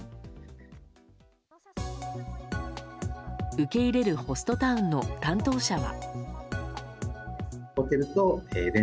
受け入れるホストタウンの担当者は。